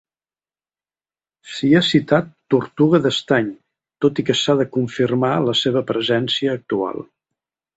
S'hi ha citat tortuga d'estany, tot i que s'ha de confirmar la seva presència actual.